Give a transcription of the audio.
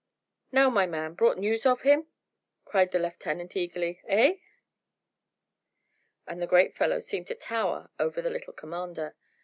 "Now, my man, brought news of him?" cried the lieutenant eagerly. "Eh?" And the great fellow seemed to tower over the little commander.